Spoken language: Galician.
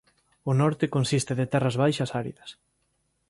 O norte consiste de terras baixas áridas.